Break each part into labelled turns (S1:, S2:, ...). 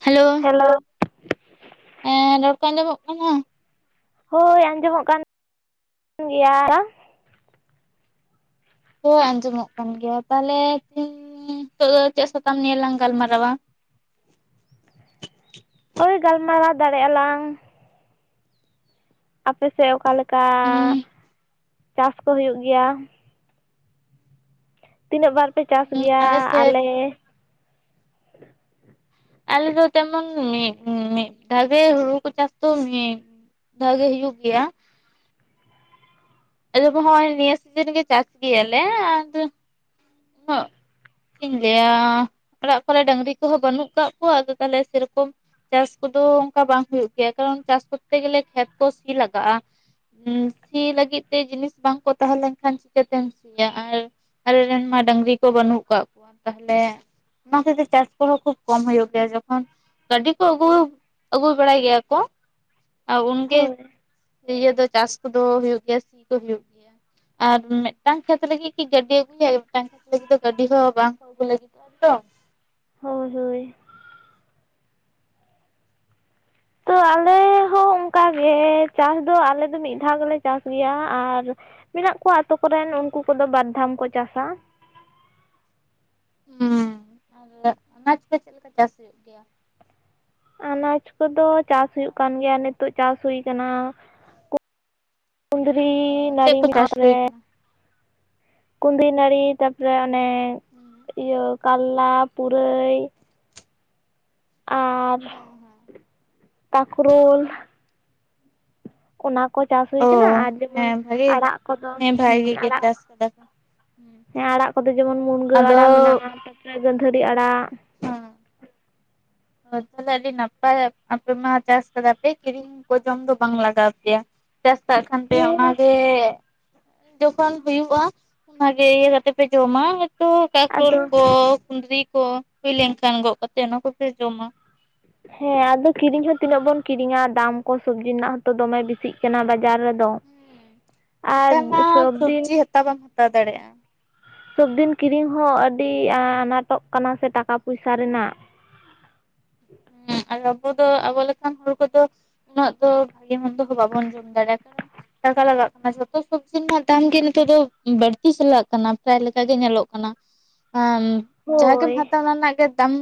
S1: Hello,
S2: hello
S1: ᱮᱸ ᱨᱚᱲ ᱠᱚ ᱟᱸᱡᱚᱢᱚᱜ ᱠᱟᱱᱟ
S2: ᱦᱳᱭ ᱟᱸᱡᱚᱢᱚᱜ ᱠᱟᱱ ᱜᱮᱭᱟ᱾
S1: ᱦᱳᱭ ᱟᱸᱡᱚᱢᱚᱜ ᱠᱟᱱ ᱜᱮᱭᱟ ᱛᱟᱦᱚᱞᱮ ᱛᱤᱦᱤᱱ ᱱᱤᱛᱚᱜ ᱫᱚ ᱪᱮᱜ ᱥᱟᱛᱟᱢ ᱱᱤᱭᱮ ᱞᱟᱝ ᱜᱟᱞᱢᱟᱨᱟᱣᱟ?
S2: ᱦᱳᱭ ᱜᱟᱞᱢᱟᱨᱟᱣ ᱫᱟᱲᱮᱭᱟᱜ ᱟᱞᱟᱝ᱾ ᱟᱯᱮ ᱥᱮᱜ ᱚᱠᱟ ᱞᱮᱠᱟ
S1: ᱩᱸ
S2: ᱪᱟᱥ ᱠᱚ ᱦᱩᱭᱩᱜ ᱜᱮᱭᱟ? ᱛᱤᱱᱟᱹᱜ ᱵᱟᱨ ᱯᱮ ᱪᱟᱥ
S1: ᱩᱸ
S2: ᱜᱮᱭᱟ
S1: ᱥᱮᱫ
S2: ᱟᱞᱮ
S1: ᱟᱞᱮ ᱫᱚ ᱡᱮᱢᱚᱱ ᱢᱤᱜ ᱢᱤᱜ ᱫᱷᱟᱣ ᱜᱮ ᱦᱩᱲᱩ ᱠᱚ ᱪᱟᱥ ᱛᱚ ᱢᱤᱜ, ᱫᱷᱟᱣ ᱜᱮ ᱦᱩᱭᱩᱜ ᱜᱮᱭᱟ᱾ ᱟᱞᱮ ᱠᱚᱦᱚᱸ ᱱᱤᱭᱟᱹ ᱥᱤᱡᱤᱱ ᱨᱮᱜᱮ ᱪᱟᱥ ᱜᱮᱭᱟᱞᱮ ᱟᱫᱚ, ᱩᱱᱟᱹᱜ, ᱪᱮᱜ ᱤᱧ ᱞᱟᱹᱭᱟ ᱚᱲᱟᱜ ᱠᱚᱨᱮ ᱰᱟᱹᱝᱨᱤ ᱠᱚᱦᱚᱸ ᱵᱟᱹᱱᱩᱜ ᱠᱟᱜ ᱠᱚᱣᱟ ᱟᱫᱚ ᱛᱟᱦᱚᱞᱮ ᱥᱮᱨᱚᱠᱚᱢ ᱪᱟᱥ ᱠᱚᱫᱚ ᱚᱝᱠᱟ ᱵᱟᱝ ᱦᱩᱭᱩᱜ ᱜᱮᱭᱟ ᱠᱟᱨᱚᱱ ᱪᱟᱥ ᱠᱚᱨᱛᱮ ᱜᱮᱞᱮ ᱠᱷᱮᱛ ᱠᱚ ᱥᱤ ᱞᱟᱜᱟᱜᱼᱟ᱾ ᱥᱤ ᱞᱟᱹᱜᱤᱫ ᱛᱮ ᱡᱤᱱᱤᱥ ᱵᱟᱝᱠᱚ ᱛᱟᱦᱮᱸ ᱞᱮᱱ ᱠᱷᱟᱱ ᱪᱤᱠᱟᱹᱛᱮᱢ ᱥᱤᱭᱟ ᱟᱨ ᱟᱞᱮ ᱨᱮᱱ ᱢᱟ ᱰᱟᱹᱟᱝᱨᱤ ᱠᱚ ᱵᱟᱹᱱᱩᱜ ᱠᱟᱜ ᱠᱚᱣᱟ ᱛᱟᱦᱚᱞᱮ ᱚᱱᱟ ᱠᱷᱟᱹᱛᱤᱨ ᱪᱟᱥ ᱠᱚᱦᱚᱸ ᱠᱷᱩᱵ ᱠᱚᱢ ᱦᱩᱭᱩᱜ ᱜᱮᱭᱟ ᱡᱚᱠᱷᱚᱱ, ᱜᱟᱹᱰᱤ ᱠᱚ ᱟᱹᱜᱩ ᱟᱹᱜᱩ ᱵᱟᱲᱟᱭ ᱜᱮᱭᱟ ᱠᱚ ᱟᱨ ᱩᱱᱜᱮ
S2: ᱦᱳᱭ
S1: ᱤᱭᱟᱹ ᱫᱚ ᱪᱟᱥ ᱠᱚᱫᱚ ᱦᱩᱭᱩᱜ ᱜᱮᱭᱟ ᱥᱤ ᱠᱚ ᱦᱩᱭᱩᱜ ᱜᱮᱭᱟ᱾ ᱟᱨ ᱢᱤᱫᱴᱟᱝ ᱠᱷᱮᱛ ᱨᱮᱜᱮ ᱠᱤ ᱜᱟᱹᱰᱤ ᱟᱹᱜᱩᱭᱟᱭ [inaudible] ᱜᱟᱹᱰᱤ ᱫᱚ ᱵᱟᱝᱠᱚ ᱟᱜᱩ ᱞᱟᱹᱜᱤᱫᱚᱜᱼᱟ ᱛᱚ
S2: ᱦᱳᱭ ᱦᱳᱭ, ᱛᱚ ᱟᱞᱮ ᱦᱚᱸ ᱚᱱᱠᱟ ᱜᱮ ᱪᱟᱥ ᱫᱚ ᱟᱞᱮ ᱫᱚ ᱢᱤᱫ ᱫᱷᱟᱣ ᱜᱮᱞᱮ ᱪᱟᱥ ᱜᱮᱭᱟ ᱟᱨ ᱢᱮᱱᱟᱜ ᱠᱚᱣᱟ ᱟᱛᱳ ᱠᱚᱨᱮᱱ ᱩᱱᱠᱩ ᱠᱚᱫᱚ ᱵᱟᱨ ᱫᱷᱟᱢ ᱠᱚ ᱪᱟᱥᱟ᱾
S1: ᱦᱩᱸ ᱟᱨ ᱚᱱᱟ ᱪᱮᱠᱟ, ᱪᱮᱜ ᱞᱮᱠᱟ ᱪᱟᱥ ᱦᱩᱭᱩᱜ ᱜᱮᱭᱟ?
S2: ᱟᱱᱟᱡ ᱠᱚᱫᱚ ᱪᱟᱥ ᱦᱩᱭᱩᱜ ᱠᱟᱱ ᱜᱮᱭᱟ ᱱᱤᱛᱚᱜ ᱪᱟᱥ ᱦᱩᱭ ᱠᱟᱱᱟ᱾ ᱠᱩᱸᱫᱽᱨᱤ
S1: ᱚ ᱪᱮᱫ
S2: ᱱᱟᱹᱲᱤ
S1: ᱠᱚ
S2: ᱢᱮᱱᱟᱜᱼᱟ
S1: ᱪᱟᱥ
S2: ᱟᱨ [inaudible]
S1: ᱦᱩᱭ
S2: ᱯᱚᱨᱮ
S1: ᱠᱟᱱᱟ
S2: ᱠᱩᱸᱫᱽᱨᱤ ᱱᱟᱹᱲᱤ ᱛᱟᱯᱚᱨᱮ ᱚᱱᱮ
S1: ᱦᱩᱸ
S2: ᱤᱭᱟᱹ ᱠᱟᱨᱞᱟ ᱯᱩᱨᱟᱹᱭ, ᱟᱨ
S1: ᱦᱮᱸ ᱦᱮᱸ
S2: ᱛᱟᱠᱨᱩᱞ ᱚᱱᱟ ᱠᱚ ᱪᱟᱥ ᱦᱩᱭ
S1: ᱚ
S2: ᱠᱟᱱᱟ ᱟᱨ ᱡᱮᱢᱚᱱ
S1: ᱦᱮᱸ ᱵᱷᱟᱜᱮ
S2: ᱟᱲᱟᱜ ᱠᱚᱫᱚ
S1: ᱦᱮᱸ ᱵᱷᱟᱜᱮ
S2: ᱦᱩᱸ
S1: ᱜᱮ
S2: ᱟᱲᱟᱜ,
S1: ᱪᱟᱥ ᱠᱟᱫᱟ ᱠᱚ ᱦᱩᱸ
S2: ᱦᱮᱸ ᱟᱲᱟᱜ ᱠᱚᱫᱚ ᱡᱮᱢᱚᱱ ᱢᱩᱱᱜᱟᱹ
S1: ᱟᱫᱚ
S2: ᱟᱲᱟᱜ ᱢᱮᱱᱟᱜᱼᱟ ᱛᱟᱯᱚᱨᱮ ᱜᱟᱺᱫᱷᱟᱹᱨᱤ ᱟᱲᱟᱜ᱾
S1: ᱦᱚ ᱛᱟᱦᱚᱞᱮ ᱟᱹᱰᱤ ᱱᱟᱯᱟᱭ ᱟᱯᱮ ᱢᱟ ᱪᱟᱥ ᱠᱟᱫᱟ ᱯᱮ ᱠᱤᱨᱤᱧ ᱠᱚ ᱡᱚᱢ ᱫᱚ ᱵᱟᱝ ᱞᱟᱜᱟᱣ ᱟᱯᱮᱭᱟ᱾ ᱪᱟᱥ ᱠᱟᱜ ᱠᱷᱟᱱ ᱯᱮ
S2: ᱦᱮᱸ
S1: ᱚᱱᱟᱜᱮ ᱡᱚᱠᱷᱚᱱ ᱦᱩᱭᱩᱜᱼᱟ ᱚᱱᱟ ᱜᱮ ᱤᱭᱟᱹ ᱠᱟᱛᱮ ᱯᱮ ᱡᱚᱢᱟ ᱦᱚᱭᱛᱚ ᱠᱟᱠᱨᱞ
S2: ᱟᱫᱚ
S1: ᱠᱚ ᱠᱩᱸᱫᱽᱨᱤ ᱠᱚ ᱦᱩᱭ ᱞᱮᱱ ᱠᱷᱟᱱ ᱜᱚᱜ ᱠᱟᱛᱮᱜ ᱚᱱᱟ ᱠᱚᱯᱮ ᱡᱚᱢᱟ᱾
S2: ᱦᱮᱸ ᱟᱫᱚ ᱠᱤᱨᱤᱧ ᱦᱚᱸ ᱛᱤᱱᱟᱹᱜ ᱵᱚᱱ ᱠᱤᱨᱤᱧᱟ ᱫᱟᱢ ᱠᱚ ᱥᱚᱵᱽᱡᱤ ᱨᱮᱱᱟᱜ ᱦᱚᱸᱛᱚ ᱫᱚᱢᱮ ᱵᱤᱥᱤᱜ ᱠᱟᱱᱟ ᱵᱟᱡᱟᱨ ᱨᱮ ᱫᱚ
S1: ᱦᱮᱸ
S2: ᱟᱨ
S1: ᱱᱮᱛᱟᱨ ᱢᱟ
S2: ᱥᱚᱵᱫᱤᱱ,
S1: ᱥᱚᱵᱽᱡᱤ ᱦᱟᱛᱟᱣ ᱵᱟᱢ ᱦᱟᱛᱟᱣ ᱫᱟᱲᱮᱭᱟᱜᱼᱟ᱾
S2: ᱥᱚᱵᱫᱤᱱ ᱠᱤᱨᱤᱧ ᱦᱚᱸ ᱟᱹᱰᱤ ᱟᱱᱟᱴᱚᱜ ᱠᱟᱱᱟ ᱥᱮ ᱴᱟᱠᱟ ᱯᱚᱭᱥᱟ ᱨᱮᱱᱟᱜ
S1: ᱦᱮᱸ ᱟᱨ ᱟᱵᱚ ᱫᱚ ᱟᱵᱚ ᱞᱮᱠᱟᱱ ᱦᱚᱲ ᱠᱚ ᱫᱚ ᱩᱱᱟᱹᱜ ᱫᱚ ᱵᱷᱟᱜᱮ ᱢᱚᱱᱫᱚ ᱦᱚᱸ ᱵᱟᱵᱚᱱ ᱡᱚᱢ ᱫᱟᱲᱮᱭᱟᱜ ᱠᱟᱨᱚᱱ ᱴᱟᱠᱟ ᱞᱟᱜᱟᱜ ᱠᱟᱱᱟ ᱡᱷᱚᱛᱚ ᱥᱚᱵᱽᱡᱤ ᱨᱮᱱᱟᱜ ᱫᱟᱢ ᱜᱮ ᱱᱤᱛᱚᱜ ᱫᱚ ᱵᱟᱹᱲᱛᱤ ᱪᱟᱞᱟᱜ ᱠᱟᱱᱟ᱾ ᱯᱨᱟᱭ ᱞᱮᱠᱟᱜᱮ ᱧᱮᱞᱚᱜ ᱠᱟᱱᱟ ᱟᱢ ᱡᱟᱦᱟᱸᱜᱮᱢ
S2: ᱦᱳᱭ
S1: ᱦᱟᱛᱟᱣᱟ ᱚᱱᱟ ᱨᱮᱱᱟᱜ ᱜᱮ ᱫᱟᱢ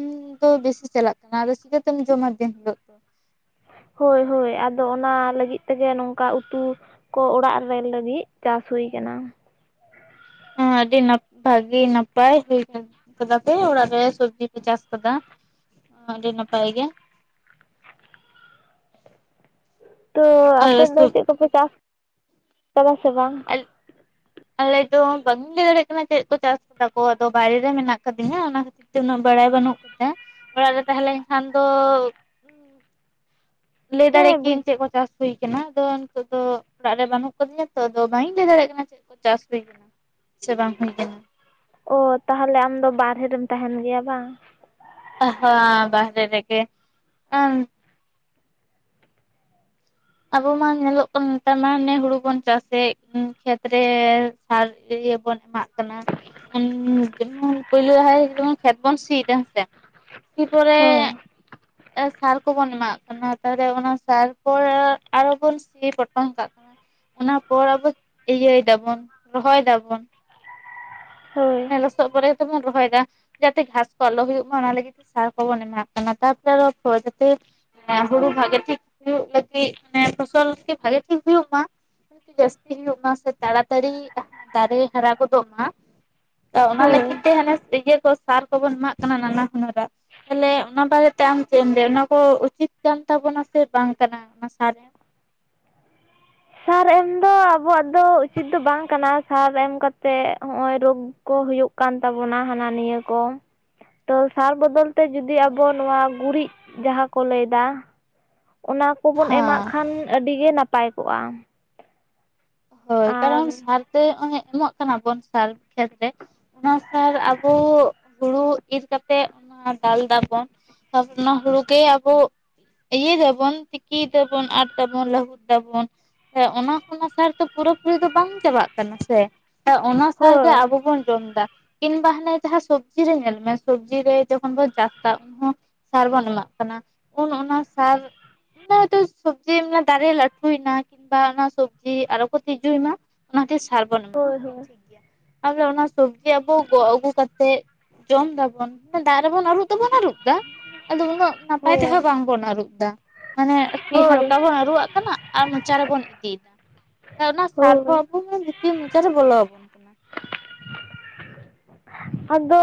S1: ᱫᱚ ᱵᱮᱥᱤ ᱪᱟᱞᱟᱜ ᱠᱟᱱᱟ ᱟᱫᱚ ᱪᱤᱠᱟᱹᱛᱮᱢ ᱡᱚᱢᱟ ᱫᱤᱱ ᱦᱤᱞᱟᱹᱜ᱾
S2: ᱦᱳᱭ ᱦᱳᱭ ᱟᱫᱚ ᱚᱱᱟ ᱞᱟᱹᱜᱤᱫ ᱛᱮ ᱜᱮ ᱱᱚᱝᱠᱟ ᱩᱛᱩ ᱠᱚ ᱚᱲᱟᱜ ᱨᱮᱞ ᱞᱟᱹᱜᱤᱫ ᱪᱟᱥ ᱦᱩᱭ ᱠᱟᱱᱟ
S1: ᱦᱚᱸ ᱟᱹᱰᱤ ᱱᱟᱯ ᱵᱷᱟᱹᱜᱤ ᱱᱟᱯᱟᱭ ᱦᱩᱭ ᱠᱟᱱᱟ᱾ ᱠᱟᱫᱟ ᱯᱮ ᱚᱲᱟᱜ ᱨᱮ ᱥᱚᱵᱽᱡᱤ ᱯᱮ ᱪᱟᱥ ᱠᱟᱫᱟ ᱟᱹᱰᱤ ᱱᱟᱯᱟᱭ ᱜᱮ᱾
S2: ᱛᱚ
S1: ᱟᱨ
S2: ᱟᱯᱮ ᱫᱚ
S1: ᱥᱚᱵ
S2: ᱪᱮᱫ ᱠᱚᱯᱮ ᱪᱟᱥ ᱠᱟᱫᱟ ᱥᱮ ᱵᱟᱝ?
S1: [inaudible] ᱟᱞᱮ ᱫᱚ ᱵᱟᱧ ᱞᱟᱹᱭ ᱫᱟᱲᱮᱭᱟᱜ ᱠᱟᱱᱟ ᱪᱮᱫ ᱠᱚ ᱪᱟᱥ ᱠᱟᱫᱟ ᱠᱚ ᱟᱫᱚ ᱵᱟᱭᱨᱮ ᱨᱮ ᱢᱮᱱᱟᱜ ᱟᱠᱟᱫᱤᱧᱟ ᱚᱱᱟ ᱠᱷᱟᱹᱛᱤᱨ ᱛᱮ ᱩᱱᱟᱹᱜ ᱵᱟᱲᱟᱭ ᱵᱟᱹᱱᱩᱜ ᱛᱤᱧᱟ ᱚᱲᱟᱜ ᱨᱮ ᱛᱟᱦᱮᱸ ᱞᱮᱱ ᱠᱷᱟᱱ ᱫᱚ ᱞᱟᱹᱭ ᱫᱟᱲᱮ
S2: ᱦᱮᱸ ᱵᱩᱡ
S1: ᱠᱤᱭᱟᱹᱧ ᱪᱮᱫ ᱠᱚ ᱪᱟᱥ ᱦᱩᱭ ᱟᱠᱟᱱᱟ ᱫᱚ ᱱᱤᱛᱚᱜ ᱫᱚ ᱚᱲᱟᱜ ᱨᱮ ᱵᱟᱹᱱᱩᱜ ᱠᱟᱫᱤᱧᱟ ᱛᱚ ᱟᱫᱚ ᱵᱟᱝ ᱤᱧ ᱞᱟᱹᱭ ᱫᱟᱲᱮᱭᱟᱜ ᱠᱟᱱᱟ ᱪᱮᱫ ᱠᱚ ᱪᱟᱥ ᱦᱩᱭ ᱠᱟᱱᱟ᱾ ᱪᱮ ᱵᱟᱝ ᱦᱩᱭ ᱠᱟᱱᱟ,
S2: ᱚ ᱛᱟᱦᱚᱞᱮᱮ ᱟᱢ ᱫᱚ ᱵᱟᱨᱦᱮ ᱨᱮᱢ ᱛᱟᱦᱮᱱ ᱜᱮᱭᱟ ᱵᱟᱝ?
S1: [unintelligible] ᱵᱟᱦᱨᱮ ᱨᱮ ᱜᱮ ᱟᱵᱚ ᱢᱟ ᱧᱮᱞᱚᱜ ᱠᱟᱱ ᱱᱮᱛᱟᱨ ᱢᱟ ᱱᱮ ᱦᱩᱲᱩ ᱵᱚᱱ ᱪᱟᱥᱮᱜ ᱠᱷᱮᱛ ᱨᱮ ᱥᱟᱨ ᱤᱭᱟᱹ ᱵᱚᱱ ᱮᱢᱟᱜ ᱠᱟᱱᱟ ᱩᱸᱻ ᱡᱮᱢᱚᱱ ᱯᱳᱭᱞᱳ ᱫᱷᱟᱣ ᱡᱮᱢᱚᱱ ᱠᱷᱮᱛ ᱵᱚᱱ ᱥᱤ ᱫᱟ ᱦᱮᱸ ᱥᱮ ᱥᱤ ᱯᱚᱨᱮ
S2: ᱦᱮᱸ
S1: ᱥᱟᱨ ᱠᱚᱵᱚᱱ ᱮᱢᱟᱜ ᱠᱟᱱᱟ ᱛᱟᱨᱮ ᱚᱱᱟ ᱥᱟᱨ ᱯᱚᱨ ᱟᱨᱚ ᱵᱚᱱ ᱥᱤ ᱯᱚᱴᱚᱢ ᱠᱟᱜ ᱠᱟᱱᱟ ᱚᱱᱟ ᱯᱚᱨ ᱟᱵᱚ ᱤᱭᱟᱹᱭ ᱫᱟᱵᱚᱱ ᱨᱚᱦᱚᱭ ᱫᱟᱵᱚᱱ
S2: ᱦᱳᱭ
S1: ᱞᱚᱥᱚᱜ ᱯᱚᱨᱮ ᱜᱮᱛᱚ ᱵᱚᱱ ᱨᱚᱦᱚᱭ ᱫᱟ ᱡᱟᱛᱮ ᱜᱷᱟᱥ ᱠᱚ ᱟᱞᱚ ᱦᱩᱭᱩᱜ ᱢᱟ ᱚᱱᱟ ᱞᱟᱹᱜᱤᱫ ᱛᱮ ᱥᱟᱨ ᱠᱚᱵᱚᱱ ᱮᱢᱟᱜ ᱠᱟᱱᱟ ᱛᱟᱯᱚᱨᱮ ᱟᱨᱚ ᱯᱚᱨᱮ ᱡᱟᱛᱮ ᱦᱮᱸ ᱦᱩᱲᱩ ᱵᱷᱟᱜᱮ ᱴᱷᱤᱠ ᱦᱩᱭᱩᱜ ᱞᱟᱹᱜᱤᱫ ᱢᱟᱱᱮ ᱯᱷᱚᱥᱚᱞ ᱟᱨᱠᱤ ᱵᱷᱟᱜᱮ ᱴᱷᱤᱠ ᱦᱩᱭᱩᱜ ᱢᱟ, ᱡᱟᱹᱥᱛᱤ ᱧᱚᱜ ᱢᱟ ᱥᱮ ᱛᱟᱲᱟᱛᱟᱲᱤ ᱫᱟᱨᱮ ᱦᱟᱨᱟ ᱜᱚᱫᱚᱜ ᱢᱟ ᱛᱚ ᱚᱱᱟ
S2: ᱦᱳᱭ᱾
S1: ᱞᱟᱹᱜᱤᱫ ᱛᱮ ᱦᱟᱱᱮ ᱤᱭᱟᱹ ᱠᱚ ᱥᱟᱨ ᱠᱚᱵᱚᱱ ᱮᱢᱟᱜ ᱠᱟᱱᱟ ᱱᱟᱱᱟ ᱦᱩᱱᱟᱹᱨ ᱟᱜ ᱛᱟᱦᱞᱮ ᱚᱱᱟ ᱵᱟᱨᱮᱛᱮ ᱟᱢ ᱪᱮᱫ ᱮᱢ ᱞᱟᱹᱭᱟ ᱚᱱᱟ ᱠᱚ ᱩᱪᱤᱛ ᱠᱟᱱ ᱛᱟᱵᱚᱱᱟ ᱥᱮ ᱵᱟᱝ ᱠᱟᱱᱟ ᱚᱱᱟ ᱥᱟᱨ?
S2: ᱥᱟᱨ ᱮᱢ ᱫᱚ ᱟᱵᱚᱣᱟᱜ ᱫᱚ ᱩᱪᱤᱛ ᱫᱚ ᱵᱟᱝ ᱠᱟᱱᱟ ᱥᱟᱨ ᱮᱢ ᱠᱟᱛᱮ ᱦᱚᱜ-ᱚᱭ ᱨᱳᱜᱽ ᱠᱚ ᱦᱩᱭᱩᱜ ᱠᱟᱱ ᱛᱟᱵᱚᱱᱟ ᱦᱟᱱᱟ ᱱᱤᱭᱟᱹ ᱠᱚ ᱛᱚ ᱥᱟᱨ ᱵᱚᱫᱚᱞ ᱛᱮ ᱡᱩᱫᱤ
S1: ᱦᱳᱭ᱾
S2: ᱟᱵᱚ ᱱᱚᱣᱟ ᱜᱩᱨᱤᱡ ᱡᱟᱦᱟᱸ ᱠᱚ ᱞᱟᱹᱭ ᱫᱟ ᱚᱱᱟ ᱠᱚᱵᱚᱱ ᱮᱢᱟᱜ
S1: ᱦᱮᱸ
S2: ᱠᱷᱟᱱ ᱟᱹᱰᱤ ᱜᱮ ᱱᱟᱯᱟᱭ ᱠᱚᱜ-ᱟ
S1: ᱦᱳᱭ ᱠᱟᱨᱚᱱ ᱥᱟᱨ ᱛᱮ ᱚᱱᱮ ᱮᱢᱟᱜ ᱠᱟᱱᱟ ᱵᱚᱱ ᱥᱟᱨ ᱠᱷᱮᱛ ᱨᱮ ᱚᱱᱟ ᱥᱟᱨ ᱟᱵᱚ ᱦᱩᱲᱩ ᱤᱨ ᱠᱟᱛᱮᱜ ᱚᱱᱟ ᱫᱟᱞ ᱫᱟᱵᱚᱱ ᱛᱟᱨ ᱯᱚᱨᱮ ᱚᱱᱟ ᱦᱩᱲᱩ ᱜᱮ ᱟᱵᱚ ᱤᱭᱟᱹᱭ ᱫᱟᱵᱚᱱ ᱛᱤᱠᱤᱭ ᱫᱟᱵᱚᱱ ᱟᱨ ᱫᱟᱵᱚᱱ ᱞᱟᱹᱦᱩᱫ ᱫᱟᱵᱚᱱ ᱚᱱᱟ ᱠᱷᱚᱱᱟᱜ ᱯᱩᱨᱟᱹ ᱯᱩᱨᱤ ᱫᱚ ᱵᱟᱝ ᱪᱟᱵᱟᱜ ᱠᱟᱱᱟ ᱥᱮ ᱚᱱᱟ ᱥᱟᱨ ᱜᱮ
S2: ᱦᱳᱭ
S1: ᱟᱵᱚ ᱵᱚᱱ ᱡᱚᱢ ᱫᱟ ᱠᱤᱱᱵᱟ ᱦᱟᱱᱮ ᱡᱟᱦᱟᱸ ᱥᱚᱵᱽᱡᱤ ᱨᱮ ᱧᱮᱞ ᱢᱮ ᱥᱚᱵᱽᱡᱤ ᱨᱮ ᱡᱚᱠᱷᱚᱱ ᱵᱚᱱ ᱪᱟᱥ ᱫᱟ ᱩᱱ ᱥᱟᱨ ᱵᱚᱱ ᱮᱢᱟᱜ ᱠᱟᱱᱟ ᱩᱱ ᱚᱱᱟ ᱥᱟᱨ ᱠᱤᱢᱵᱟ ᱦᱚᱭᱛᱚ ᱥᱚᱵᱽᱡᱤ ᱫᱟᱨᱮ ᱞᱟᱹᱴᱷᱩᱭ ᱱᱟ ᱠᱤᱢᱵᱟ ᱚᱱᱟ ᱥᱚᱵᱽᱡᱤ ᱟᱨᱚ ᱠᱚ ᱛᱤᱡᱩᱭ ᱢᱟ ᱚᱱᱟ ᱠᱷᱟᱹᱛᱤᱨ ᱥᱟᱨ ᱵᱚᱱ ᱮᱢᱟᱜ
S2: ᱦᱳᱭ
S1: ᱠᱟᱱᱟ
S2: ᱦᱳᱭ
S1: ᱴᱷᱤᱠ ᱜᱮᱭᱟ ᱟᱫᱚ ᱚᱱᱟ ᱥᱚᱵᱽᱡᱤ ᱟᱵᱚ ᱜᱚᱜ ᱟᱹᱜᱩ ᱠᱟᱛᱮᱜ ᱡᱚᱢ ᱫᱟᱵᱚᱱ ᱫᱟᱜ ᱨᱮᱵᱚᱱ ᱟᱹᱨᱩᱵ ᱫᱚᱵᱚᱱ ᱟᱨ ᱫᱟ ᱟᱫᱚ ᱩᱱᱟᱹᱜ ᱱᱟᱯᱟᱭ ᱛᱮᱸᱦᱚ
S2: ᱦᱳᱭ
S1: ᱵᱟᱝᱵᱚᱱ ᱟᱹᱨᱩᱵ ᱫᱟ ᱢᱟᱱᱮ ᱟᱨᱠᱤ
S2: ᱦᱳᱭ
S1: ᱦᱟᱞᱠᱟ ᱵᱚᱱ ᱟᱹᱨᱩᱜ ᱟᱜ ᱠᱟᱱᱟ ᱟᱨ ᱢᱚᱪᱟ ᱨᱮᱵᱚᱱ ᱤᱫᱤᱭ ᱫᱟ ᱚᱱᱟ ᱥᱟᱨ ᱦᱚᱸ
S2: ᱦᱳᱭ
S1: ᱟᱵᱚ ᱵᱷᱤᱛᱤᱨ ᱢᱚᱪᱟ ᱨᱮ ᱵᱚᱞᱚ ᱟᱵᱚᱱ ᱠᱟᱱᱟ [inaudible]
S2: [inaudible] ᱟᱫᱚ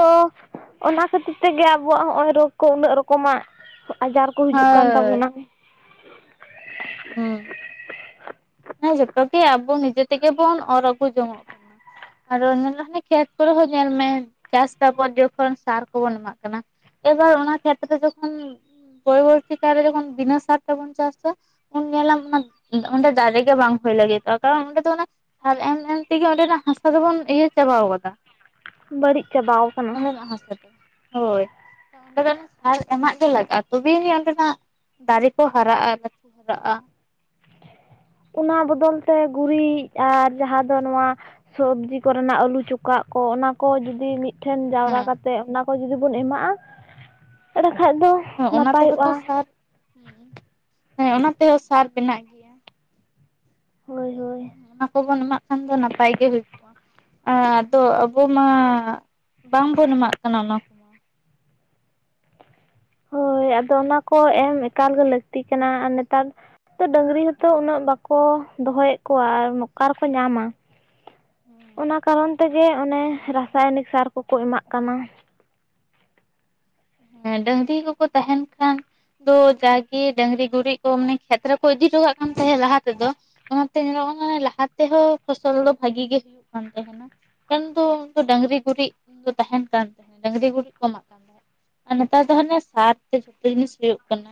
S2: ᱚᱱᱟ ᱠᱷᱟᱹᱛᱤᱨ ᱛᱮᱜᱮ ᱟᱵᱚᱣᱟᱜ ᱦᱚᱸᱜᱼᱚᱭ ᱨᱳᱜᱽ ᱠᱚ ᱩᱱᱟᱹᱜ ᱨᱚᱠᱚᱢᱟᱜ, ᱟᱡᱟᱨ ᱠᱚ ᱦᱤᱡᱩᱜ ᱠᱟᱱ
S1: ᱦᱳᱭ
S2: ᱛᱟᱵᱚᱱᱟ᱾
S1: ᱦᱩᱸ, ᱦᱮᱸ ᱡᱷᱚᱛᱚ ᱜᱮ ᱟᱵᱚ ᱱᱤᱡᱮ ᱛᱮᱜᱮ ᱵᱚᱱ ᱚᱨ ᱟᱹᱜᱩ ᱡᱚᱝ ᱟᱨ [inaudible] ᱠᱷᱮᱛ ᱠᱚᱨᱮ ᱦᱚᱸ ᱧᱮᱞ ᱢᱮ, ᱪᱟᱥ ᱵᱟᱵᱚᱫ ᱡᱚᱠᱷᱚᱱ ᱥᱟᱨ ᱠᱚᱵᱚᱱ ᱮᱢᱟᱜ ᱠᱟᱱᱟ ᱮᱵᱟᱨ ᱚᱱᱟ ᱠᱷᱮᱛ ᱨᱮ ᱡᱚᱠᱷᱚᱱ᱾ ᱯᱚᱨᱚᱵᱚᱨᱛᱤ ᱠᱟᱞᱨᱮ ᱡᱚᱠᱷᱚᱱ ᱵᱤᱱᱟ ᱥᱟᱨ ᱛᱮᱵᱚᱱ ᱪᱟᱥ ᱫᱟ, ᱩᱱ ᱧᱮᱞᱟᱢ ᱚᱱᱟ ᱚᱸᱰᱮ ᱰᱟᱨᱮ ᱜᱮ ᱵᱟᱝ ᱦᱳᱭ ᱞᱟᱹᱜᱤᱛᱚᱜ-ᱟ ᱠᱟᱨᱚᱱ ᱚᱸᱰᱮ ᱫᱚ ᱚᱱᱟ ᱥᱟᱨ ᱮᱢ ᱮᱢ ᱛᱮᱜᱮ ᱚᱸᱰᱮᱱᱟᱜ ᱦᱟᱥᱟ ᱫᱚᱵᱚᱱ ᱤᱭᱟᱹ ᱪᱟᱵᱟᱣ ᱠᱟᱫᱟ᱾
S2: ᱵᱟᱹᱲᱤᱜ ᱪᱟᱵᱟᱣ ᱠᱟᱱᱟ᱾
S1: ᱚᱸᱰᱮᱱᱟᱜ ᱦᱟᱥᱟ ᱦᱳᱭ ᱚᱸᱰᱮ ᱫᱚ ᱥᱟᱨ ᱮᱢᱟᱜ ᱜᱮ ᱞᱟᱜᱟᱜᱼᱟ᱾ ᱛᱚᱵᱮ ᱟᱹᱱᱤᱡ ᱚᱸᱰᱮᱱᱟᱜ ᱫᱟᱨᱮ ᱠᱚ ᱦᱟᱨᱟᱜᱼᱟ᱾ [unintelligible]
S2: ᱚᱱᱟ ᱵᱚᱫᱚᱞ ᱛᱮ ᱜᱩᱲᱤᱡ, ᱟᱨ ᱡᱟᱦᱟᱸ ᱫᱚ ᱱᱚᱣᱟ ᱥᱚᱵᱽᱡᱤ ᱠᱚᱨᱮᱱᱟᱜ ᱟᱹᱞᱩ ᱪᱚᱠᱟᱜ ᱠᱚ ᱚᱱᱟ ᱠᱚ ᱡᱩᱫᱤ ᱢᱤᱫ ᱴᱷᱮᱱ ᱡᱟᱣᱨᱟ
S1: ᱦᱮᱸ
S2: ᱠᱟᱛᱮᱜ ᱚᱱᱟ ᱠᱚ ᱡᱩᱫᱤ ᱵᱚᱱ ᱮᱢᱟᱜᱼᱟ᱾ ᱮᱸᱰᱮ ᱠᱷᱟᱡ ᱫᱚ
S1: ᱦᱮᱸ ᱚᱱᱟ ᱛᱮᱦᱚᱸ
S2: ᱱᱟᱯᱟᱭᱚᱜᱼᱟ
S1: ᱛᱚ ᱥᱟᱨ, ᱦᱮᱸ ᱚᱱᱟ ᱛᱮᱦᱚᱸ ᱥᱟᱨ ᱵᱮᱱᱟᱜ ᱜᱮᱭᱟ᱾
S2: ᱦᱳᱭ ᱦᱳᱭ᱾
S1: ᱚᱱᱟ ᱠᱚᱵᱚᱱ ᱮᱢᱟᱜ ᱠᱷᱟᱱ ᱫᱚ ᱱᱟᱯᱟᱭ ᱜᱮ ᱦᱩᱭᱩᱜ [inaudible] ᱟᱻ ᱛᱚ ᱟᱵᱚ ᱢᱟ ᱵᱟᱝ ᱵᱚᱱ ᱮᱢᱟᱜ ᱠᱟᱱᱟ ᱚᱱᱟ ᱠᱚ᱾
S2: ᱦᱳᱭ ᱟᱫᱚ ᱚᱱᱟ ᱠᱚ ᱮᱢ ᱮᱠᱟᱞ ᱜᱮ ᱞᱟᱹᱠᱛᱤ ᱠᱟᱱᱟ ᱟᱨ ᱱᱮᱛᱟᱨ ᱛᱚ ᱰᱟᱺᱝᱨᱤ ᱦᱚᱸᱛᱚ ᱩᱱᱟᱹᱜ ᱵᱟᱠᱚ ᱫᱚᱦᱚᱭᱮᱫ ᱠᱚᱣᱟ ᱟᱨ ᱱᱚᱠᱟ ᱨᱮᱠᱚ ᱧᱟᱢᱟ᱾ ᱚᱱᱟ ᱠᱟᱨᱚᱱ ᱛᱮᱜᱮ ᱚᱱᱮ ᱨᱟᱥᱟᱭᱚᱱᱤᱠ ᱥᱟᱨ ᱠᱚ ᱠᱚ ᱮᱢᱟᱜ ᱠᱟᱱᱟ᱾
S1: ᱦᱮᱸ ᱰᱟᱺᱝᱨᱤ ᱠᱚ ᱠᱚ ᱛᱟᱦᱮᱱ ᱠᱷᱟᱱ ᱫᱚ ᱡᱟᱜᱮ ᱰᱟᱺᱝᱨᱤ ᱜᱩᱨᱤᱡ ᱠᱚ ᱢᱟᱱᱮ ᱠᱷᱮᱛ ᱨᱮᱠᱚ ᱤᱫᱤ ᱦᱚᱴᱚ ᱠᱟᱜ ᱠᱟᱱ ᱛᱟᱦᱮᱸᱫ ᱞᱟᱦᱟ ᱛᱮᱫᱚ᱾ ᱚᱱᱟᱛᱮ ᱧᱮᱞᱚᱜᱼᱟ ᱞᱟᱦᱟ ᱛᱮᱦᱚᱸ ᱯᱷᱚᱥᱚᱞ ᱫᱚ ᱵᱷᱟᱹᱜᱤ ᱜᱮ ᱦᱩᱭᱩᱜ ᱠᱟᱱ ᱛᱟᱦᱮᱸᱱᱟ᱾ ᱢᱮᱱᱫᱚ ᱩᱱᱫᱚ ᱰᱟᱺᱝᱨᱤ ᱜᱩᱨᱤᱡ ᱫᱚ ᱛᱟᱦᱮᱱ ᱠᱟᱱ ᱰᱟᱺᱝᱨᱤ ᱜᱩᱨᱤᱡ ᱠᱚ ᱮᱢᱟᱜ ᱛᱟᱦᱮᱸᱫ ᱟᱨ ᱱᱮᱛᱟᱨ ᱫᱚ ᱦᱟᱱᱮ ᱥᱟᱨ ᱛᱮ ᱡᱷᱚᱛᱚ ᱡᱤᱱᱤᱥ ᱦᱩᱭᱩᱜ ᱠᱟᱱᱟ᱾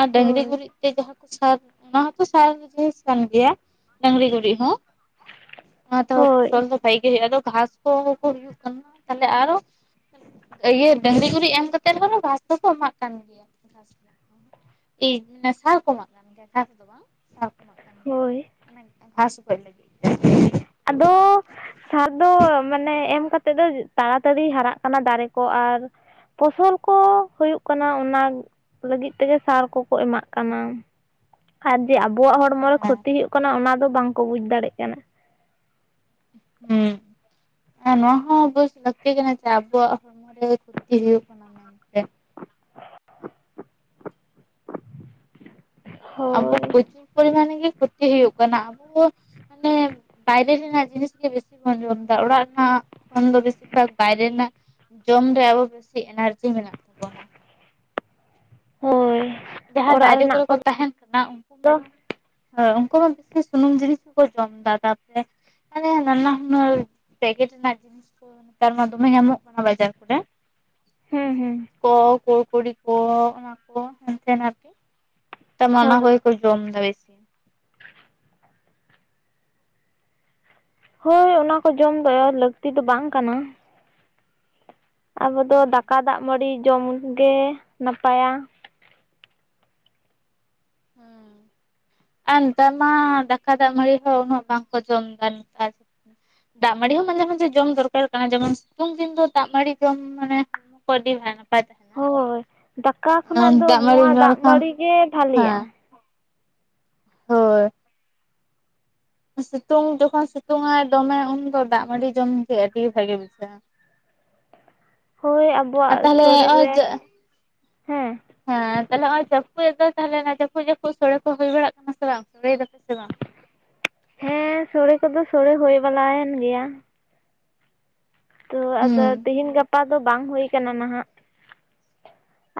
S1: ᱟᱨ ᱰᱟᱺᱝᱨᱤ
S2: ᱦᱳᱭ
S1: ᱜᱩᱨᱤᱡ ᱛᱮ ᱡᱟᱦᱟᱸ ᱥᱟᱨ ᱚᱱᱟ ᱦᱚᱸᱛᱚ ᱥᱟᱨ ᱜᱮᱱᱤᱥ ᱠᱟᱱ ᱜᱮᱭᱟ ᱰᱟᱺᱝᱨᱤ ᱜᱩᱨᱤᱡ ᱦᱚᱸ᱾ ᱚᱱᱟ ᱛᱚ
S2: ᱦᱳᱭ
S1: ᱯᱷᱚᱥᱚᱞ ᱫᱚ ᱵᱷᱟᱜᱮ ᱜᱮ ᱦᱩᱭᱩᱜᱼᱟ, ᱟᱫᱚ ᱜᱷᱟᱥ ᱠᱚ ᱦᱩᱭᱩᱜ ᱠᱟᱱᱟ, ᱛᱟᱦᱞᱮ ᱟᱨᱚ ᱤᱭᱟᱹ ᱰᱟᱺᱝᱨᱤ ᱜᱩᱨᱤᱡ ᱮᱢ ᱠᱟᱛᱮᱫ ᱦᱚᱸ ᱜᱷᱟᱥ ᱫᱚᱠᱚ ᱮᱢᱟᱜ ᱠᱟᱱ ᱜᱮᱭᱟ᱾ [unintelligible] ᱥᱟᱨ ᱠᱚ ᱮᱢᱟᱜ ᱠᱟᱱ ᱜᱮᱭᱟ ᱜᱷᱟᱥ ᱫᱚ ᱵᱟᱝ ᱥᱟᱨ ᱠᱚ ᱮᱢᱟᱜ
S2: ᱦᱳᱭ
S1: [inaudible] ᱜᱷᱟᱥ ᱜᱚᱡᱽ ᱞᱟᱹᱜᱤᱫ [unintelligible]
S2: ᱟᱫᱚᱻᱻ ᱥᱟᱨ ᱫᱚ ᱢᱟᱱᱮ ᱮᱢ ᱠᱟᱛᱮᱫ ᱫᱚ ᱛᱟᱲᱟᱛᱟᱲᱤ ᱦᱟᱨᱟᱜ ᱠᱟᱱᱟ ᱫᱟᱨᱮ ᱠᱚ ᱟᱨ, ᱯᱷᱚᱥᱚᱞ ᱠᱚ ᱦᱩᱭᱩᱜ ᱠᱟᱱᱟ ᱚᱱᱟ ᱞᱟᱹᱜᱤᱫ ᱛᱮᱜᱮ ᱥᱟᱨ ᱠᱚ ᱠᱚ ᱮᱢᱟᱜ ᱠᱟᱱᱟ᱾ ᱟᱨ ᱡᱮ ᱟᱵᱚᱣᱟᱜ ᱦᱚᱲᱢᱚ ᱨᱮ ᱠᱷᱚᱛᱤ ᱦᱩᱭᱩᱜ ᱠᱟᱱᱟ ᱚᱱᱟ ᱫᱚ ᱵᱟᱝ ᱠᱚ ᱵᱩᱡ ᱫᱟᱲᱮᱜ ᱠᱟᱱᱟ᱾
S1: ᱦᱩᱸ ᱦᱮᱸ ᱱᱚᱣᱟ ᱦᱚᱸ ᱵᱮᱩᱡᱽ ᱞᱟᱹᱠᱛᱤ ᱠᱟᱱᱟ ᱡᱮ ᱟᱵᱚᱣᱟᱜ ᱦᱚᱲᱢᱚ ᱨᱮ ᱠᱷᱚᱛᱤ ᱦᱩᱭᱩᱜ ᱠᱟᱱᱟ᱾ ᱢᱮᱱᱛᱮ ᱟᱵᱚ
S2: ᱦᱳᱭ
S1: ᱯᱨᱚᱪᱩᱨ ᱯᱚᱨᱤᱢᱟᱱ ᱜᱮ ᱠᱷᱚᱛᱤ ᱦᱩᱭᱩᱜ ᱠᱟᱱᱟ᱾ ᱟᱵᱚ ᱢᱟᱱᱮ, ᱵᱟᱭᱨᱮ ᱨᱮᱱᱟᱜ ᱡᱤᱱᱤᱥ ᱜᱮ ᱵᱮᱥᱤ ᱵᱚᱱ ᱡᱚᱢ ᱫᱟ ᱚᱲᱟᱜ ᱨᱮᱱᱟᱜ ᱠᱷᱚᱱ ᱫᱚ ᱵᱮᱥᱤ ᱫᱚ ᱵᱷᱟᱜᱽ ᱵᱟᱭᱨᱮ ᱨᱮᱱᱟᱜ ᱡᱚᱢ ᱨᱮᱭᱟ ᱵᱚ ᱵᱮᱥᱤ ᱮᱱᱟᱨᱡᱤ ᱢᱮᱱᱟᱜ ᱛᱟᱵᱚᱱᱟ᱾
S2: ᱦᱳᱭᱻ
S1: ᱡᱟᱦᱟᱸᱭ ᱵᱟᱭᱨᱮ ᱠᱚᱨᱮ ᱠᱚ ᱛᱟᱦᱮᱱ ᱠᱟᱱᱟ ᱩᱱᱠᱩ ᱢᱟ, ᱦᱮᱸ ᱩᱱᱠᱩ ᱢᱟ ᱵᱮᱥᱤ ᱥᱩᱱᱩᱢ ᱡᱤᱱᱤᱥ ᱠᱚᱠᱚ ᱡᱚᱢ ᱫᱟ, ᱛᱟᱯᱚᱨᱮ ᱦᱮ ᱱᱟᱱᱟ ᱦᱩᱱᱟᱹᱨ ᱯᱮᱠᱮᱴ ᱨᱮᱱᱟᱜ ᱡᱤᱱᱤᱥ ᱠᱚ ᱱᱮᱛᱟᱨ ᱢᱟ ᱫᱚᱢᱮ ᱧᱟᱢᱚᱜ ᱠᱟᱱᱟ ᱵᱟᱡᱟᱨ ᱠᱚᱨᱮ᱾
S2: ᱦᱩᱸ ᱦᱩᱸ
S1: ᱠᱚ ᱠᱩᱲ ᱠᱩᱲᱤ ᱠᱚ ᱚᱱᱟ ᱠᱚ ᱦᱮᱱᱛᱮ ᱱᱟᱛᱮ ᱱᱮᱛᱟᱨ ᱢᱟ ᱚᱱᱟ ᱠᱚᱜᱮ
S2: ᱦᱳᱭ
S1: ᱠᱚ ᱡᱚᱢᱫᱟ ᱵᱮᱥᱤ
S2: [inaudible] ᱦᱳᱭ ᱚᱱᱟ ᱠᱚ ᱡᱚᱢ ᱫᱚ ᱞᱟᱹᱠᱛᱤ ᱫᱚ ᱵᱟᱝ ᱠᱟᱱᱟ ᱟᱵᱚᱫᱚ ᱫᱟᱠᱟ
S1: ᱦᱩᱸ
S2: ᱫᱟᱜ ᱢᱟᱹᱲᱤ ᱡᱚᱢᱜᱮ ᱱᱟᱯᱟᱭᱟ
S1: ᱦᱮᱸ ᱟᱨ ᱱᱮᱛᱟᱨ ᱢᱟ ᱫᱟᱠᱟ ᱫᱟᱜ ᱢᱟᱹᱲᱤ ᱦᱚᱸ ᱩᱱᱟᱹᱜ ᱵᱟᱠᱚ ᱡᱚᱢ ᱫᱟ ᱱᱮᱛᱟᱨ ᱫᱟᱜ ᱢᱟᱲᱤ ᱦᱚᱸ ᱢᱟᱡᱷᱮ ᱢᱟᱡᱷᱮ ᱡᱚᱢ ᱫᱚᱨᱠᱟᱨ ᱠᱟᱱᱟ ᱡᱮᱢᱚᱱ ᱥᱤᱛᱩᱝ ᱫᱤᱱ ᱫᱚ ᱫᱟᱜ ᱢᱟᱲᱤ ᱡᱚᱢ ᱢᱟᱱᱮ ᱚᱱᱟ ᱠᱚ ᱟ. ᱰᱤ
S2: ᱦᱳᱭ ᱫᱟᱠᱟ ᱠᱷᱚᱱᱟᱜ ᱫᱚ
S1: ᱫᱟᱜ ᱢᱟᱹᱲᱤ
S2: ᱱᱚᱣᱟ
S1: ᱧᱩ ᱞᱮᱠᱷᱟᱱ
S2: ᱫᱟᱜᱢᱟᱲᱤ ᱜᱮ ᱵᱷᱟᱞᱤᱭᱟ
S1: ᱦᱮᱸ ᱦᱳᱭ ᱥᱤᱛᱩᱝ ᱡᱚᱠᱷᱚᱱ ᱥᱤᱛᱩᱝ ᱟᱭ ᱫᱚᱢᱮ ᱩᱱ ᱫᱚ ᱫᱟᱜ ᱢᱟᱲᱤ ᱡᱚᱢᱜᱮ ᱟᱹᱰᱤ ᱵᱷᱟᱜᱤ ᱵᱩᱡᱷᱟᱹᱜᱼᱟ [inaudible]
S2: ᱦᱳᱭ
S1: ᱟᱨ
S2: ᱟᱵᱚᱣᱟᱜ
S1: ᱛᱟᱦᱚᱞᱮ
S2: ᱥᱚᱨᱤᱨ
S1: ᱱᱚᱜᱼᱚᱭ
S2: ᱨᱮ
S1: ᱡᱮ
S2: ᱦᱮᱸ
S1: ᱦᱮᱸ ᱛᱟᱦᱚᱞᱮ ᱦᱚᱜᱚᱭ ᱡᱟᱹᱯᱩᱫ ᱮᱫᱚᱭ ᱛᱟᱦᱚᱞᱮ ᱚᱱᱟ ᱡᱟᱹᱯᱩᱫ ᱡᱟᱹᱯᱩᱫ ᱥᱚᱲᱮ ᱠᱚ ᱦᱩᱭ ᱵᱟᱲᱟᱜ ᱠᱟᱱᱟ ᱥᱮ ᱵᱟᱝ ᱥᱚᱲᱮᱭ ᱫᱟᱯᱮ ᱥᱮ ᱵᱟᱝ
S2: ᱦᱮᱸ ᱥᱚᱲᱮ ᱠᱚᱫᱚ ᱥᱚᱲᱮ ᱦᱩᱭ ᱵᱟᱲᱟᱭᱮᱱ ᱜᱮᱭᱟ ᱛᱚ
S1: ᱦᱩᱸ
S2: ᱟᱫᱚ ᱛᱤᱦᱮᱧ ᱜᱟᱯᱟ ᱫᱚ ᱵᱟᱝ ᱦᱩᱭᱩ ᱠᱟᱱᱟ ᱱᱟᱦᱟᱜ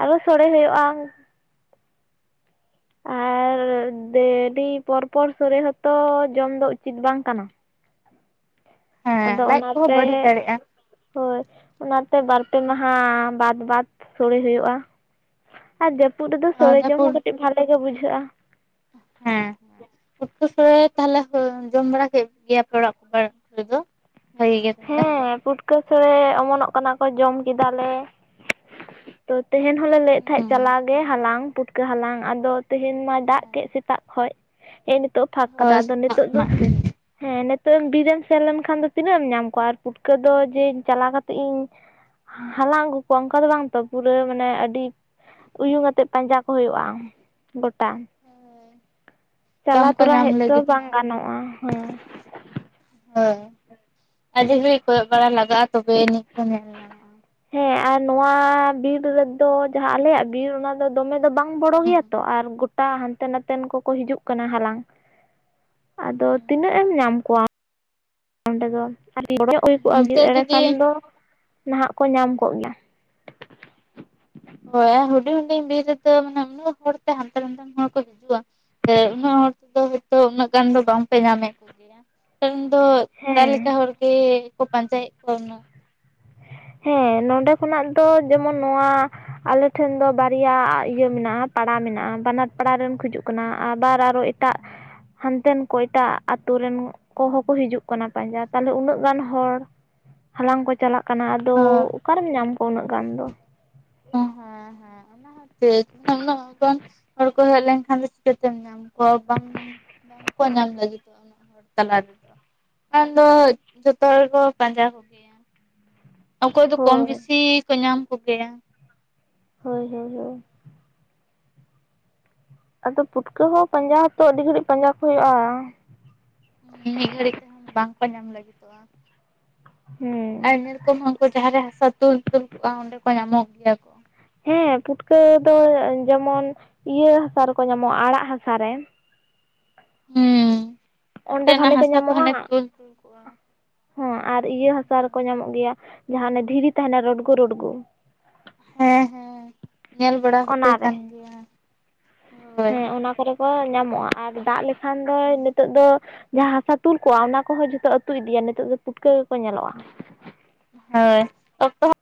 S2: ᱟᱨᱚ ᱥᱚᱲᱮ ᱦᱩᱭᱩᱜᱼᱟ ᱟᱨ ᱫᱮᱞᱤ ᱯᱚᱨ ᱯᱚᱨ ᱥᱳᱲᱮ ᱦᱚᱛᱚ ᱡᱚᱢ ᱫᱚ ᱩᱪᱤᱛ ᱵᱟᱝ ᱠᱟᱱᱟ
S1: ᱦᱮᱸ
S2: ᱟᱫᱚ
S1: ᱞᱟᱡ ᱠᱚᱦᱚᱸ
S2: ᱚᱱᱟᱛᱮ
S1: ᱵᱟᱹᱲᱤᱡ ᱫᱟᱲᱮᱭᱟᱜᱼᱟ
S2: ᱦᱳᱭ ᱚᱱᱟᱛᱮ ᱵᱟᱨᱯᱮ ᱢᱟᱦᱟ ᱵᱟᱫᱽ ᱵᱟᱫᱽ ᱥᱳᱲᱮ ᱦᱩᱭᱩᱜᱼᱟ ᱟᱨ ᱡᱟᱹᱯᱩᱫ ᱨᱮᱫᱚ ᱥᱳᱲᱮ ᱡᱚᱢ
S1: ᱡᱟᱹᱯᱩᱫ
S2: ᱦᱚᱸ ᱠᱟᱹᱴᱤᱡ ᱵᱷᱟᱞᱮ ᱜᱮ ᱵᱩᱡᱷᱟᱹᱜᱼᱟ
S1: ᱦᱮᱸ ᱦᱮᱸ ᱯᱩᱴᱠᱟᱹ ᱥᱳᱲᱮ ᱛᱟᱦᱚᱞᱮ ᱦᱳᱭ ᱡᱚᱢ ᱵᱟᱲᱟ ᱠᱮᱫ ᱜᱮᱭᱟ ᱯᱮ ᱚᱲᱟᱜ ᱠᱚ ᱠᱚᱨᱮᱫᱚ ᱵᱷᱟᱜᱤ ᱜᱮ ᱛᱟᱦᱚᱞᱮ
S2: ᱦᱮᱸ ᱯᱩᱴᱠᱟᱹ ᱥᱲᱮ ᱚᱢᱚᱱᱚᱜ ᱠᱟᱱᱟ ᱠᱚ ᱡᱚᱢ ᱠᱮᱫᱟᱞᱮ ᱛᱚ ᱛᱮᱦᱮᱱ ᱦᱚᱞᱮ ᱞᱟᱹᱭᱮᱫ ᱛᱟᱦᱮᱸᱫ
S1: ᱦᱮᱸ
S2: ᱪᱟᱞᱟᱣ ᱜᱮ ᱦᱟᱞᱟᱝ ᱯᱩᱴᱠᱟᱹ ᱦᱟᱞᱟᱝ ᱟᱫᱚ ᱛᱮᱦᱮᱧ ᱢᱟᱭ ᱫᱟᱜ ᱠᱮᱫ ᱥᱮᱛᱟᱜ ᱠᱷᱚᱡ ᱦᱮᱜ ᱱᱤᱛᱚᱜ ᱯᱷᱟᱸᱠ ᱠᱟᱫᱟ
S1: ᱦᱳᱭ
S2: ᱟᱫᱚ
S1: ᱥᱮᱛᱟᱜ
S2: ᱱᱤᱛᱚᱜ ᱫᱚ
S1: ᱠᱷᱚᱱᱟᱜ ᱜᱮ
S2: ᱦᱮᱸ ᱱᱤᱛᱚᱜ ᱮᱢ ᱵᱤᱨᱮᱢ ᱥᱮᱱ ᱞᱮᱱᱠᱷᱟᱱ ᱫᱚ ᱛᱤᱱᱟᱹᱜ ᱮᱢ ᱧᱟᱢ ᱠᱚᱣᱟ ᱟᱨ ᱯᱩᱴᱠᱟᱹ ᱫᱚ ᱡᱮ ᱪᱟᱞᱟᱣ ᱠᱟᱛᱮᱜ ᱤᱧ ᱦᱟᱞᱟᱝ ᱟᱹᱜᱩ ᱠᱚᱣᱟ ᱚᱱᱠᱟ ᱫᱚ ᱵᱟᱝ ᱛᱚ ᱯᱩᱨᱟᱹ ᱢᱟᱱᱮ ᱟᱹᱰᱤ ᱩᱭᱩᱝ ᱟᱛᱮᱫ ᱯᱟᱸᱡᱟ ᱠᱚ ᱦᱩᱭᱩᱜᱼᱟ ᱜᱚᱴᱟ
S1: ᱦᱳᱭ ᱵᱟᱝ
S2: ᱪᱟᱞᱟᱣ
S1: ᱠᱚ
S2: ᱛᱚᱨᱟ
S1: ᱧᱟᱢ
S2: ᱦᱮᱡ ᱛᱚ ᱵᱟᱝ
S1: ᱞᱟᱹᱜᱤᱫᱚᱜᱼᱟ
S2: ᱜᱟᱱᱚᱜᱼᱟ ᱦᱮᱸ
S1: ᱦᱮ ᱟᱰᱤ ᱜᱷᱟᱲᱤᱡ ᱠᱚᱭᱚᱜ ᱵᱟᱲᱟ ᱞᱟᱜᱟᱜᱼᱟ ᱛᱚᱵᱮ ᱟᱹᱱᱤᱡ ᱠᱚ ᱧᱟᱢᱚᱜ ᱧᱟᱢᱚᱜᱼᱟ
S2: ᱦᱮᱸ ᱟᱨ ᱱᱚᱣᱟ ᱵᱤᱨ ᱨᱮᱫᱚ ᱡᱟᱦᱟ ᱟᱞᱮᱭᱟᱜ ᱵᱤᱨ ᱚᱱᱟ ᱫᱚ ᱫᱚᱢᱮ ᱫᱚ ᱵᱟᱝ ᱵᱚᱲᱚ ᱜᱮᱭᱟ ᱛᱚ ᱟᱨ ᱜᱚᱴ ᱴᱟ ᱦᱟᱱᱛᱮ ᱱᱟᱛᱮᱱ ᱠᱚᱠᱚ ᱦᱤᱡᱩᱜ ᱠᱟᱱᱟ ᱦᱟᱞᱟᱝ ᱟᱫᱚ ᱛᱤᱱᱟᱹᱜ ᱮᱢ ᱧᱟᱢ ᱠᱚᱣᱟ ᱚᱸᱰᱮ ᱫᱚ ᱟᱨ [unintelligible] ᱦᱩᱭ ᱠᱚᱜᱼᱟ ᱵᱤᱨ
S1: ᱱᱤᱛᱚᱜ
S2: ᱮᱲᱮ
S1: ᱡᱩᱫᱤ
S2: ᱠᱷᱟᱱ ᱫᱚ ᱱᱟᱦᱟᱜ ᱠᱚ ᱧᱟᱢ ᱠᱚᱜ ᱜᱮᱭᱟ
S1: ᱦᱳᱭ ᱟᱨ ᱦᱩᱰᱤᱧ ᱦᱩᱰᱤᱧ ᱵᱤᱨ ᱨᱮᱫᱚ ᱢᱟᱱᱮ ᱩᱱᱟᱹᱜ ᱦᱚᱲᱛᱮ ᱦᱟᱱᱛᱮ ᱱᱟᱛᱮ ᱦᱚᱲ ᱠᱚ ᱦᱤᱡᱩᱜᱼᱟ ᱥᱮ ᱩᱱᱟᱹᱜ ᱦᱚᱲ ᱛᱮᱫᱚ ᱦᱳᱭᱛᱚ ᱩᱱᱟᱹᱜ ᱜᱟᱱ ᱫᱚ ᱵᱟᱝᱯᱮ ᱧᱟᱢᱮᱫ ᱠᱚ ᱜᱮᱭᱟ ᱩᱱ ᱫᱚ ᱯᱨᱟᱭ ᱞᱮᱠᱟ
S2: ᱦᱮᱸ
S1: ᱦᱚᱲ ᱜᱮᱠᱚ ᱯᱟᱸᱡᱟᱭᱮᱫ ᱠᱚᱣᱟ ᱩᱱᱟᱹᱜ
S2: ᱦᱮᱸ ᱱᱚᱰᱮ ᱠᱷᱚᱱᱟᱜ ᱫᱚ ᱡᱮᱢᱚᱱ ᱱᱚᱣᱟ ᱟᱞᱮᱴᱷᱮᱱ ᱫᱚ ᱵᱟᱨᱭᱟ ᱤᱭᱟᱹ ᱢᱮᱱᱟᱜᱼᱟ ᱯᱟᱲᱟ ᱢᱮᱱᱟᱜᱼᱟ ᱵᱟᱱᱟᱨ ᱯᱟᱲᱟ ᱨᱮᱱ ᱠᱚ ᱦᱤᱡᱩᱜ ᱠᱟᱱᱟ ᱟᱵᱟᱨ ᱟᱨᱚ ᱮᱴᱟᱜ ᱦᱟᱱᱛᱮᱱ ᱠᱚ ᱮᱴᱟᱜ ᱟᱛᱳ ᱨᱮᱱ ᱠᱚᱦᱚᱸᱠᱚ ᱦᱤᱡᱩᱜ ᱠᱟᱱᱟ ᱯᱟᱸᱡᱟ ᱛᱟᱦᱚᱞᱮ ᱩᱱᱟᱹᱜ ᱜᱟᱱ ᱦᱚᱲ ᱦᱟᱞᱟᱝ ᱠᱚ ᱪᱟᱞᱟᱜ ᱠᱟᱱᱟ ᱾ ᱟᱫᱚ
S1: ᱦᱮᱸ
S2: ᱚᱠᱟᱨᱮᱢ ᱧᱟᱢ ᱠᱚᱣᱟ ᱩᱱᱟᱹᱜ ᱜᱟᱱ ᱫᱚ ᱾
S1: ᱚ ᱦᱮᱸ ᱦᱮᱸ ᱾ ᱚᱱᱟ ᱠᱷᱟᱛᱤᱨ ᱩᱱᱟᱹᱜ ᱩᱱᱟᱹᱜ ᱜᱟᱱ ᱦᱚᱲ ᱠᱚ ᱦᱮᱡ ᱞᱮᱱᱠᱷᱟᱱ ᱫᱚ ᱪᱤᱠᱟᱹᱛᱮᱢ ᱧᱟᱢ ᱠᱚᱣᱟ, ᱵᱟᱢ ᱵᱟᱝ ᱠᱚ ᱧᱟᱢ ᱞᱟᱜᱤᱫᱚᱜ-ᱟ ᱩᱱᱟᱹᱜ ᱦᱚᱲ ᱛᱟᱞᱟ ᱨᱮᱫᱚ᱾ ᱵᱟᱠᱷᱟᱱ ᱫᱚ ᱡᱚᱛᱚ ᱦᱚᱲ ᱵᱚ ᱯᱟᱸᱡᱟ ᱠᱚᱜᱮᱭᱟ᱾ ᱚᱠᱚᱭ ᱫᱚ ᱠᱚᱢ
S2: ᱦᱳᱭ
S1: ᱵᱮᱥᱤ ᱠᱚ ᱧᱟᱢ ᱠᱚᱜᱮᱭᱟ᱾
S2: ᱦᱳᱭ ᱦᱳᱭ ᱦᱳᱭ᱾ ᱟᱫᱚ ᱯᱩᱴᱠᱟᱹ ᱦᱚᱸ ᱯᱟᱸᱡᱟ ᱦᱚᱸᱛᱚ ᱟᱹᱰᱤ ᱜᱷᱟᱹᱲᱤᱡ ᱯᱟᱸᱡᱟ ᱠᱚ ᱦᱩᱭᱩᱜ-ᱟ᱾
S1: ᱢᱤᱫ ᱜᱷᱟᱹᱲᱤᱡ ᱛᱮᱦᱚᱸ ᱵᱟᱝ ᱠᱚ ᱧᱟᱢ ᱞᱟᱹᱜᱤᱫᱚᱜ-ᱟ
S2: ᱦᱮᱸ
S1: ᱟᱨ ᱧᱮᱞ ᱠᱚᱢ ᱩᱱᱠᱩ ᱡᱟᱦᱟᱸ ᱨᱮ ᱦᱟᱥᱟ ᱛᱩᱞ ᱛᱩᱞ ᱠᱚᱜ-ᱟ ᱚᱸᱰᱮ ᱠᱚ ᱧᱟᱢᱚᱜ ᱜᱮᱭᱟ ᱠᱚ᱾
S2: ᱦᱮᱸ ᱯᱷᱩᱴᱠᱟᱹ ᱫᱚ ᱡᱮᱢᱚᱱ ᱤᱭᱟᱹ ᱦᱟᱥᱟ ᱨᱮᱠᱚ ᱧᱟᱢᱚᱜ-ᱟ ᱟᱨᱟᱜ ᱦᱟᱥᱟ ᱨᱮ᱾
S1: ᱦᱮᱸ
S2: ᱚᱸᱰᱮ
S1: ᱚᱱᱛᱮ ᱱᱟᱜ
S2: ᱵᱷᱟᱞᱮ
S1: ᱦᱟᱥᱟ ᱠᱚ ᱦᱟᱱᱮ ᱛᱩᱞ ᱛᱩᱞ ᱠᱚᱜ-ᱟ᱾
S2: ᱦᱚᱸ ᱟᱨ ᱤᱭᱟᱹ ᱦᱟᱥᱟ ᱨᱮᱠᱚ ᱧᱟᱢᱚᱜ ᱜᱮᱭᱟ ᱡᱟᱦᱟᱸ ᱚᱱᱮ ᱫᱷᱤᱨᱤ ᱛᱟᱦᱮᱸᱱᱟ ᱨᱳᱰᱜᱳ ᱨᱳᱰᱜᱳ᱾
S1: ᱦᱮᱸ ᱦᱮᱸ ᱧᱮᱞ ᱵᱟᱲᱟ ᱦᱩᱭ
S2: ᱚᱱᱟᱨᱮ
S1: ᱠᱟᱱ ᱜᱮᱭᱟ᱾ ᱦᱳᱭ
S2: ᱦᱮᱸ ᱚᱱᱟ ᱠᱚᱨᱮ ᱠᱚ ᱧᱟᱢᱚᱜ-ᱟ ᱟᱨ ᱫᱟᱜ ᱞᱮᱠᱷᱟᱱ ᱫᱚᱭ
S1: ᱦᱩᱸ
S2: ᱱᱤᱛᱚᱜ ᱫᱚ ᱡᱟᱦᱟᱸ ᱦᱟᱥᱟ ᱛᱩᱞ ᱠᱚᱣᱟ ᱚᱱᱟ ᱠᱚᱦᱚᱸ ᱡᱚᱛᱚ ᱟᱹᱛᱩ ᱤᱫᱤᱭᱟ ᱱᱤᱛᱚᱜ ᱫᱚ ᱯᱩᱴᱠᱟᱹ ᱜᱮᱠᱚ ᱧᱮᱞᱚᱜ-ᱟ᱾
S1: ᱦᱳᱭ ᱚᱠᱛᱚ ᱦᱚᱸ